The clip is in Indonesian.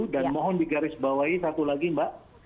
dan mohon digarisbawahi satu lagi mbak